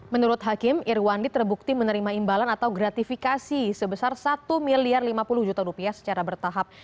menurut hakim irwandi terbukti menerima imbalan atau gratifikasi sebesar satu miliar lima puluh juta rupiah secara bertahap